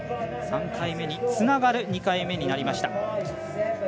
３回目につながる２回目になりました。